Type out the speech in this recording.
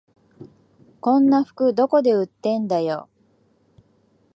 こんな服どこで売ってんだよ